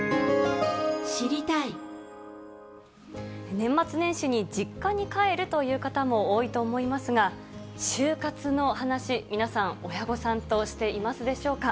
年末年始に実家に帰るという方も多いと思いますが、終活の話、皆さん、親御さんとしていますでしょうか。